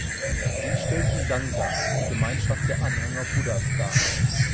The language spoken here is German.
Sie stellt die Sangha, die Gemeinschaft der Anhänger Buddhas, dar.